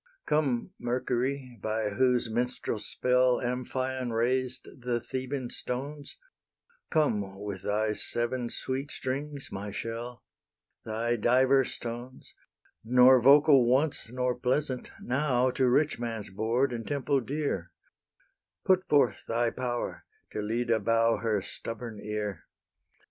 Come, Mercury, by whose minstrel spell Amphion raised the Theban stones, Come, with thy seven sweet strings, my shell, Thy "diverse tones," Nor vocal once nor pleasant, now To rich man's board and temple dear: Put forth thy power, till Lyde bow Her stubborn ear.